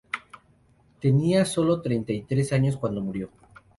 Tenía sólo treinta y tres años cuando murió.